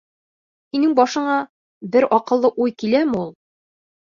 Һинең башыңа бер аҡыллы уй киләме ул?